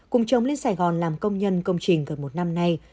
cùng chồng lên sài gòn làm công nhân công trình gần một năm nay